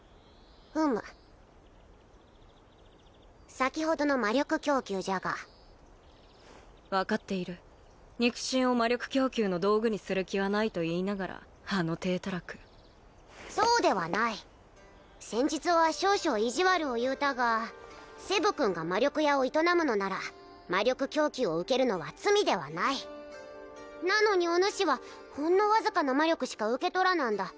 ふむ先ほどの魔力供給じゃが分かっている肉親を魔力供給の道具にする気はないと言いながらあの体たらくそうではない先日は少々意地悪を言うたがセブ君が魔力屋を営むのなら魔力供給を受けるのは罪ではないなのにおぬしはほんのわずかな魔力しか受け取らなんだ